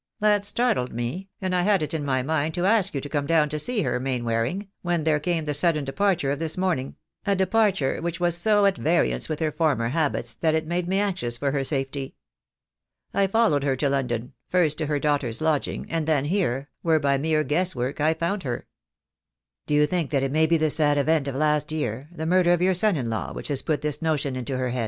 That startled me, and I had it in my mind to ask you to come down to see her, Maimvaring, when there came the sudden departure of this morning — a departure which was so at variance with her former habits that it made me anxious for her safety. I followed her to London — first to her daughter's lodging — and then here — where by mere guesswork, I found her." "Do you think that it may be the sad event of last year — the murder of your son in law — which has put this notion into her head?"